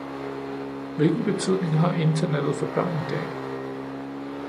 Hvilken betydning har internettet for børn i dag?